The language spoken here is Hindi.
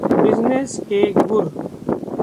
बिजनेस के गुर